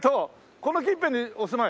この近辺にお住まい？